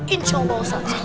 insya allah ustadz